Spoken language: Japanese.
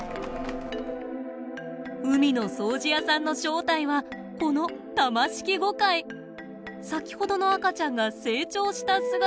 海の掃除屋さんの正体はこの先ほどの赤ちゃんが成長した姿です。